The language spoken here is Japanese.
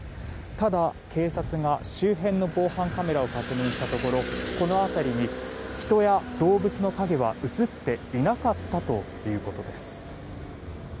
ただ、警察が周辺の防犯カメラを確認したところこの辺りに人や動物の影は映っていなかったということです。